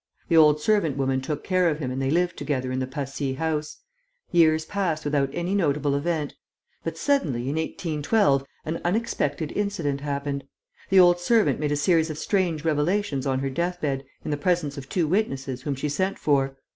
The old servant woman took care of him and they lived together in the Passy house. Years passed without any notable event; but, suddenly, in 1812, an unexpected incident happened. The old servant made a series of strange revelations on her death bed, in the presence of two witnesses whom she sent for.